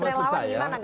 menurut relawan gimana